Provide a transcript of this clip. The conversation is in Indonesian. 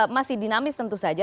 masih dinamis tentu saja